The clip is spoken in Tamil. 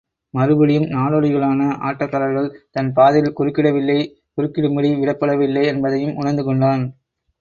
மறுபடியும், நாடோடிகளான ஆட்டக்காரர்கள் தன் பாதையில் குறுக்கிடவில்லை குறுக்கிடும்படி விடப்படவில்லை என்பதையும் உணர்ந்து கொண்டான்.